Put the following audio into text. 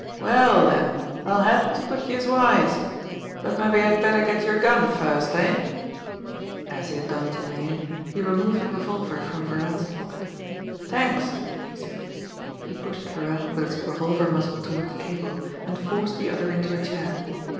"Well den, I'll help ter put youse wise. But mabbe I'd better get yer gun first, eh?" As he had done to Meighan, he removed a revolver from Virat's pocket. "T'anks!" he said. He pushed Virat with his revolver muzzle toward the table, and forced the other into a chair.